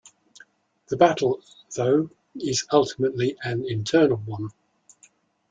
The battle, though, is ultimately an internal one.